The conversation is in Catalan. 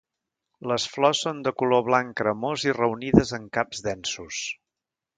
Les flors són de color blanc cremós i reunides en caps densos.